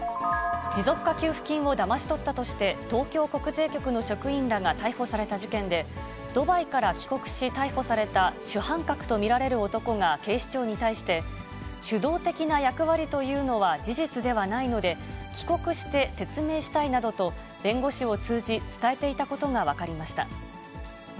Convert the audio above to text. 持続化給付金をだまし取ったとして、東京国税局の職員らが逮捕された事件で、ドバイから帰国し逮捕された主犯格と見られる男が警視庁に対して、主導的な役割というのは事実ではないので、帰国して説明したいなどと、弁護士を通じ、伝えていたことが分かりました。